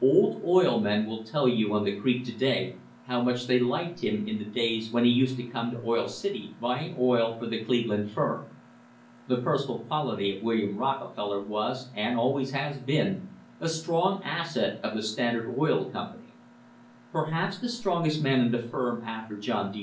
Old oil men will tell you on the creek to day how much they liked him in the days when he used to come to Oil City buying oil for the Cleveland firm. The personal quality of William Rocke feller was, and always has been, a strong asset of the Stand ard Oil Company. Probably the strongest man in the firm after John D.